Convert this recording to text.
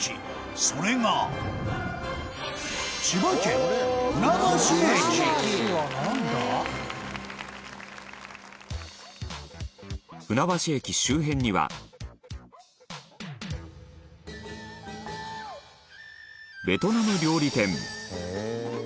それが船橋駅周辺にはベトナム料理店